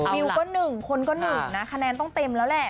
วิวก็๑คนก็๑นะคะแนนต้องเต็มแล้วแหละ